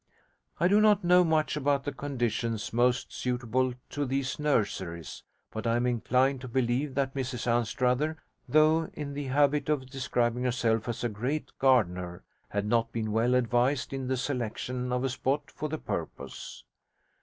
I do not know much about the conditions most suitable to these nurseries, but I am inclined to believe that Mrs Anstruther, though in the habit of describing herself as 'a great gardener', had not been well advised in the selection of a spot for the purpose.